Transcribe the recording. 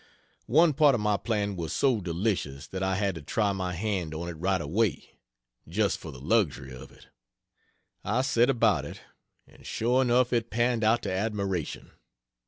One part of my plan was so delicious that I had to try my hand on it right away, just for the luxury of it. I set about it, and sure enough it panned out to admiration.